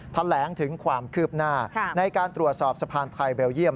แถลงถึงความคืบหน้าในการตรวจสอบสะพานไทยเบลเยี่ยม